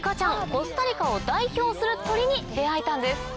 コスタリカを代表する鳥に出合えたんです。